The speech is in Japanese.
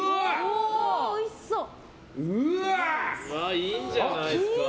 いいんじゃないですか？